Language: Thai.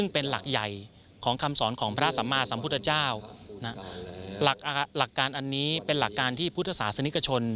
เป็นครั้งแรกหลังได้ตัดสรุ